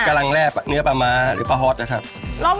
กำลังแรบเนื้อปลาม้าหรือปลาฮอตนะครับ